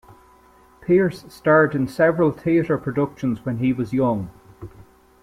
Pearce starred in several theatre productions when he was young.